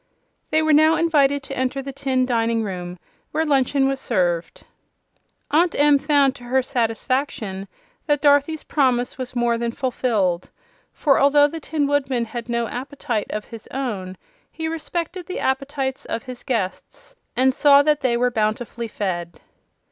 They were now invited to enter the tin dining room, where luncheon was served. Aunt Em found, to her satisfaction, that Dorothy's promise was more than fulfilled; for, although the Tin Woodman had no appetite of his own, he respected the appetites of his guests and saw that they were bountifully fed.